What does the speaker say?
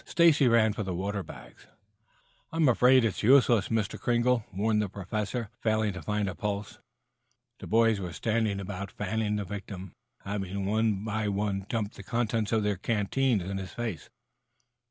Stacy ran for the water bags. "I am afraid it is useless, Mr. Kringle," warned, the Professor, failing to find a pulse. The boys were standing about fanning the victim, having one by one dumped the contents of their canteens in his face.